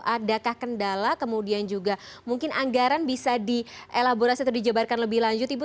adakah kendala kemudian juga mungkin anggaran bisa dielaborasi atau dijabarkan lebih lanjut ibu